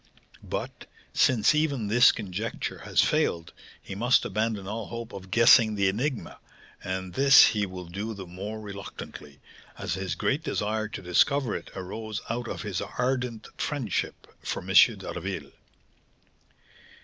But, since even this conjecture has failed, he must abandon all hope of guessing the enigma; and this he will do the more reluctantly, as his great desire to discover it arose out of his ardent friendship for M. d'Harville."